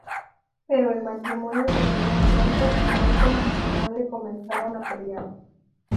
Pero el matrimonio terminó pronto, y Malcolm y su madre comenzaron a pelear.